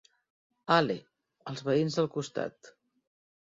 Hale, els veïns del costat.